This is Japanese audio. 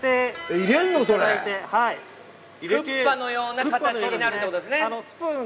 クッパのような形になるってことですね。